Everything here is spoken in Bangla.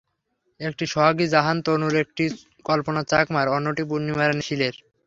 একটি সোহাগী জাহান তনুর, একটি কল্পনা চাকমার, অন্যটি পূর্ণিমা রানী শীলের।